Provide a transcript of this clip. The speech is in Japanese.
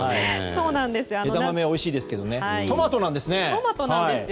枝豆もおいしいですけどトマトなんですね。